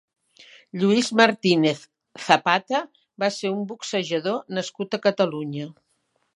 Lluís Martínez Zapata va ser un boxejador nascut a Catalunya.